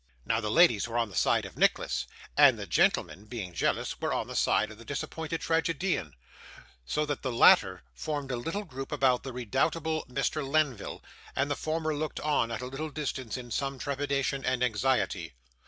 Now the ladies were on the side of Nicholas, and the gentlemen (being jealous) were on the side of the disappointed tragedian; so that the latter formed a little group about the redoubtable Mr. Lenville, and the former looked on at a little distance in some trepidation and anxiety.